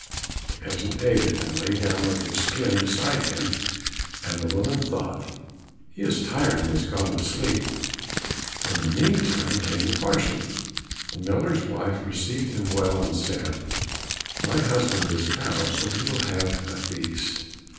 The peasant ate it, and lay down with his skin beside him, and the woman thought, "He is tired and has gone to sleep." In the meantime came the parson; the miller's wife received him well, and said, "My husband is out, so we will have a feast."